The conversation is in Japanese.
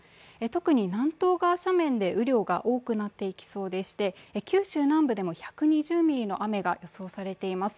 特に南東側斜面で雨量が多くなっていきそうで、九州南部でも１２０ミリの雨が予想されています。